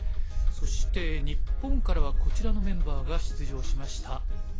そして日本からはこちらのメンバーが出場しました。